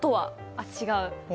あっ、違う。